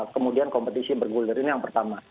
kemudian kompetisi bergulir ini yang pertama